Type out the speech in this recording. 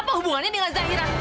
apa hubungannya dengan zahira